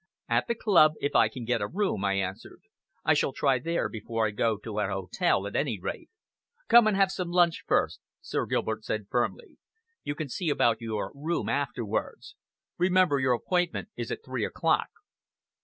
"At the club, if I can get a room," I answered. "I shall try there before I go to an hotel, at any rate." "Come and have some lunch first," Sir Gilbert said firmly. "You can see about your room afterwards. Remember your appointment is at three o'clock."